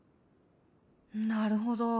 なるほど。